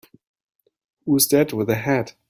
Who's that with the hat?